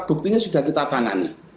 buktinya sudah kita tangani